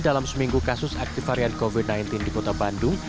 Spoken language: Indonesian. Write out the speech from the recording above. dalam seminggu kasus aktif varian covid sembilan belas di kota bandung